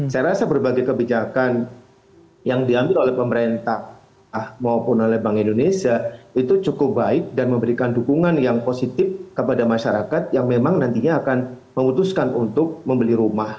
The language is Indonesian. saya rasa berbagai kebijakan yang diambil oleh pemerintah maupun oleh bank indonesia itu cukup baik dan memberikan dukungan yang positif kepada masyarakat yang memang nantinya akan memutuskan untuk membeli rumah